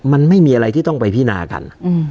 มันไม่มีอะไรที่ต้องไปพินากัน